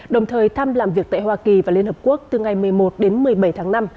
đồng thời thăm làm việc tại hoa kỳ và liên hợp quốc từ ngày một mươi một đến một mươi bảy tháng năm